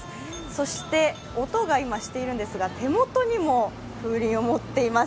そして音が今、しているんですが、手元にも風鈴を持っています。